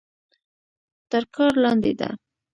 تر کار لاندې ده.